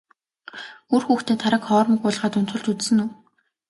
Үр хүүхдээ тараг хоормог уулгаад унтуулж үзсэн үү?